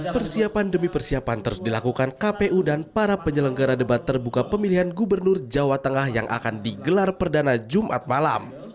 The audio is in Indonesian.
persiapan demi persiapan terus dilakukan kpu dan para penyelenggara debat terbuka pemilihan gubernur jawa tengah yang akan digelar perdana jumat malam